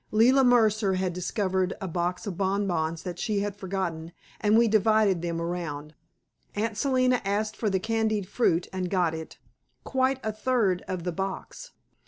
Leila Mercer had discovered a box of bonbons that she had forgotten, and we divided them around. Aunt Selina asked for the candied fruit and got it quite a third of the box.